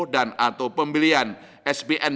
dan atau pembelian spm